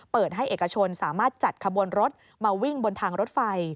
เปิดให้เอกชนสามารถจัดขบวนรถมาวิ่งบนทางรถไฟ